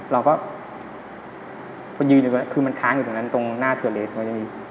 เราก็คือมันท้านอยู่ตรงนั้นตรงหน้าเทือเลสมันยังมี